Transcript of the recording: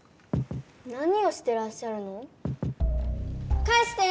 何をしてらっしゃるの？かえして！